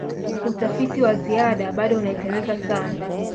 utafiti wa ziada bado unahitajika sana